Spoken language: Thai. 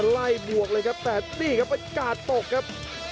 ไล่บวกเลยครับแต่นี่ครับกาดตกครับ